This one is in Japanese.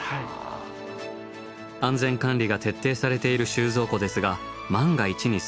安全管理が徹底されている収蔵庫ですが万が一に備え更なる仕掛けが。